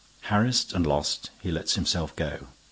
Harassed and lost, he lets himself go.